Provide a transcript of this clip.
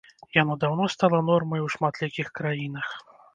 Яно даўно стала нормай у шматлікіх краінах.